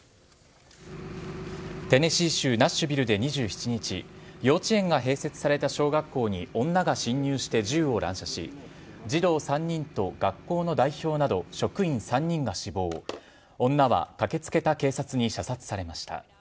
テネシー州ナッシュビルで２７日、幼稚園が併設された小学校に女が侵入して銃を乱射し、児童３人と学校の代表など、職員３人が死亡女は駆けつけた警察に射殺されました。